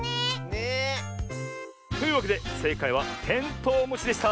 ねえ。というわけでせいかいはテントウムシでした。